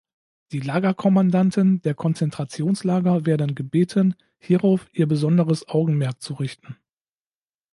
Die Lagerkommandanten der Konzentrationslager werden gebeten, hierauf ihr besonderes Augenmerk zu richten.